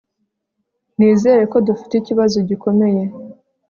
Nizera ko dufite ikibazo gikomeye